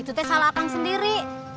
itu teh salah akang sendiri